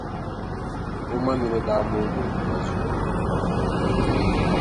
O ma nini daa moogi o tuma zuɣu pam.